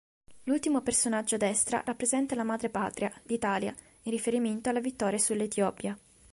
L'ultimo personaggio a destra rappresenta la Madre Patria, l'Italia, in riferimento alla vittoria sull'Etiopia.